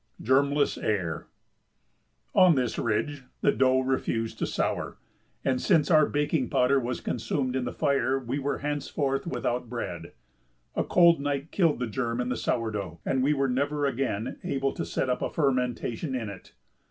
[Sidenote: Germless Air] On this ridge the dough refused to sour, and since our baking powder was consumed in the fire we were henceforth without bread. A cold night killed the germ in the sour dough, and we were never again able to set up a fermentation in it.